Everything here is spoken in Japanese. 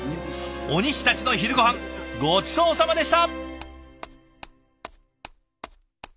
鬼師たちの昼ごはんごちそうさまでした！